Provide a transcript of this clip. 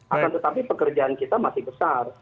akan tetapi pekerjaan kita masih besar